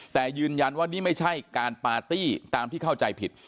แต่ยืนยันว่านี่ไม่ใช่การปาร์ตี้ตามที่เข้าใจผิด